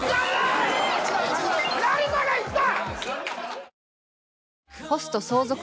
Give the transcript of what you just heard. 成田がいった！